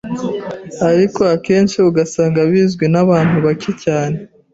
ariko akenshi ugasaga bizwi n’abantu bacye cyane